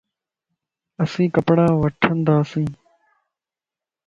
اسين ڪپڙا وٺڻ ونداسين